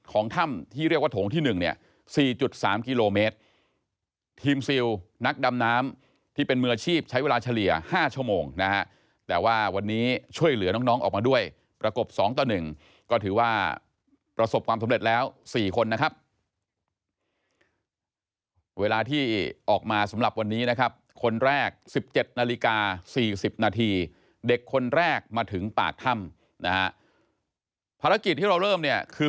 ถ้ำที่เรียกว่าโถงที่๑เนี่ย๔๓กิโลเมตรทีมซิลนักดำน้ำที่เป็นมืออาชีพใช้เวลาเฉลี่ย๕ชั่วโมงนะฮะแต่ว่าวันนี้ช่วยเหลือน้องออกมาด้วยประกบ๒ต่อ๑ก็ถือว่าประสบความสำเร็จแล้ว๔คนนะครับเวลาที่ออกมาสำหรับวันนี้นะครับคนแรก๑๗นาฬิกา๔๐นาทีเด็กคนแรกมาถึงปากถ้ำนะฮะภารกิจที่เราเริ่มเนี่ยคือ